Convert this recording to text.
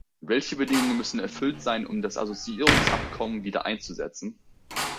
Welche Bedingungen müssten erfüllt sein, um das Assoziierungsabkommen wieder einzusetzen?